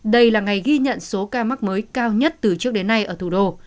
đây là ngày ghi nhận số ca mắc mới cao nhất từ trước đến nay ở thủ đô